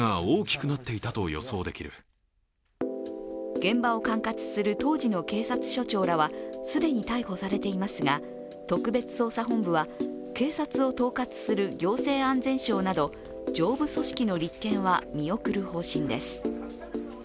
現場を管轄する当時の警察署長らは既に逮捕されていますが、特別捜査本部は警察を統括する行政安全省など上部組織の立件は見送る方針です。